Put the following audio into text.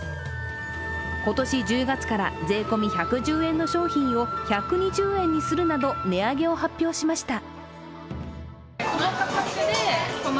今年１０月から税込み１１０円の商品を１２０円にするなど値上げを発表しました。